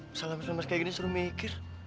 misalnya misalnya kayak gini suruh mikir